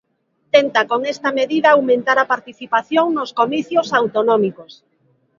Tenta con esta medida aumentar a participación nos comicios autonómicos.